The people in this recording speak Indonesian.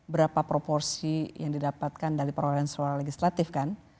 berapa proporsi yang didapatkan dari perolehan suara legislatif kan